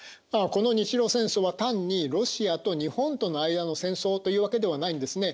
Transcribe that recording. この日露戦争は単にロシアと日本との間の戦争というわけではないんですね。